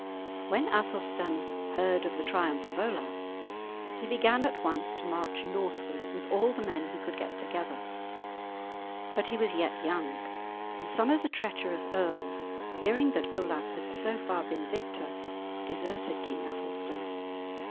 When Athelstan heard of the triumph of Olaf, he began at once to march northward with all the men he could get together; but he was yet young, and some of the treacherous earls, hearing that Olaf had so far been victor, deserted King Athelstan.